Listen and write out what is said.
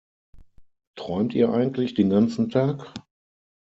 Träumt ihr eigentlich den ganzen Tag?